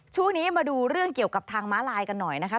ช่วงนี้มาดูเรื่องเกี่ยวกับทางม้าลายกันหน่อยนะคะ